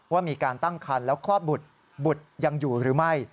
ว่ามีการตั้งคันแล้วคลอดบุตรบุตรยังอยู่หรือไม่